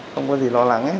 không có gì lo lắng hết